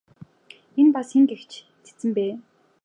Энэ бас хэн гээч цэцэн бэ?